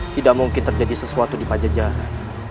tidak mungkin terjadi sesuatu di pajajaran